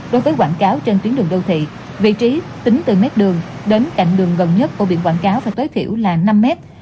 đối với quảng cáo trên tuyến đường đô thị vị trí tính từ mét đường đến cạnh đường gần nhất của biển quảng cáo phải tối thiểu là năm mét